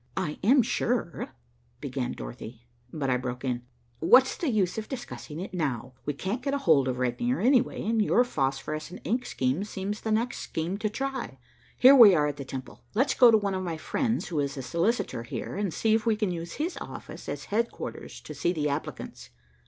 "I am sure," began Dorothy, but I broke in. "What's the use of discussing it now. We can't get hold of Regnier, anyway, and your phosphorescent ink scheme seems the next scheme to try. Here we are at the Temple. Let's go to one of my friends who is a solicitor here, and see if we can use his office as headquarters to see the applicants."